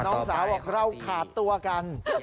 น้องสาวบอกเราขาดตัวกัน